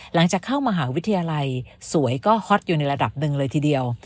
หลังจากเข้ามหาวิทยาลัยสวยก็ฮอตอยู่ในระดับหนึ่งเลยทีเดียว